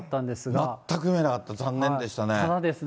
全く見えなかった、残念でしたね。